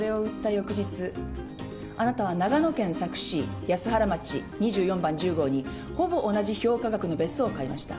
翌日あなたは長野県佐久市安原町２４番１０号にほぼ同じ評価額の別荘を買いました。